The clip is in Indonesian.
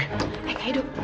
eh kak edu